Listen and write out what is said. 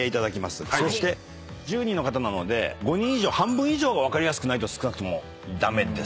そして１０人の方なので５人以上半分以上が分かりやすくないと駄目ですよ。